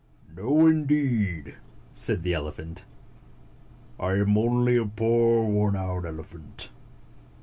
"No, indeed," Said the elephant. "I am only a poor worn out elephant."